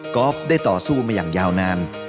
อล์ฟได้ต่อสู้มาอย่างยาวนาน